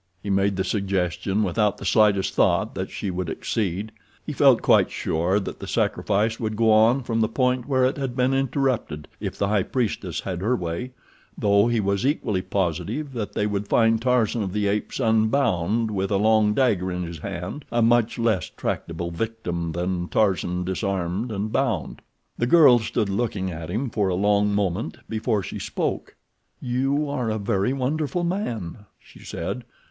He made the suggestion without the slightest thought that she would accede. He felt quite sure that the sacrifice would go on from the point where it had been interrupted if the high priestess had her way, though he was equally positive that they would find Tarzan of the Apes unbound and with a long dagger in his hand a much less tractable victim than Tarzan disarmed and bound. The girl stood looking at him for a long moment before she spoke. "You are a very wonderful man," she said.